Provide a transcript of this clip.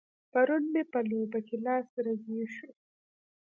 پرون مې په لوبه کې لاس رګی شو.